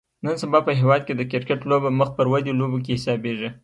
نن سبا په هیواد کې د کرکټ لوبه مخ پر ودې لوبو کې حسابیږي